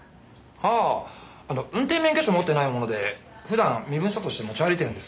ああ運転免許証を持っていないもので普段身分証として持ち歩いているんです。